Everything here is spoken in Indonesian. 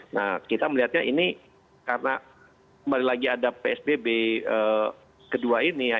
nah kita melihatnya ini karena kembali lagi ada psbb kedua ini ya